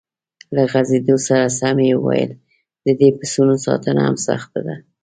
له غځېدو سره سم یې وویل: د دې پسونو ساتنه هم سخته ده.